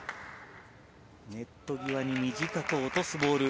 ネット際に短く落とすボール